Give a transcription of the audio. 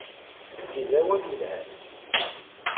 Wagi d awal yelhan.